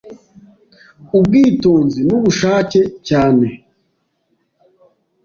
ubwitonzi n’ubushake cyane.